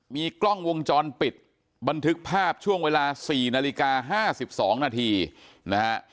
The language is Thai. มีกล้องวงจรปิดบันทึกภาพช่วงเวลา๔นาฬิกา๕๒นาทีนะฮะ